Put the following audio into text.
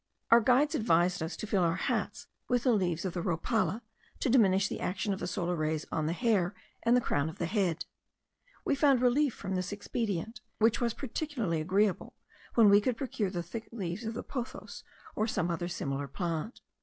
Our guides advised us to fill our hats with the leaves of the rhopala, to diminish the action of the solar rays on the hair and the crown of the head. We found relief from this expedient, which was particularly agreeable, when we could procure the thick leaves of the pothos or some other similar plant.